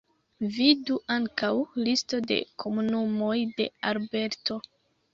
Vidu ankaŭ: Listo de komunumoj de Alberto.